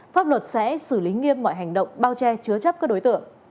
pháp luật sẽ xử lý nghiêm mọi hành động bao che chứa chấp các đối tượng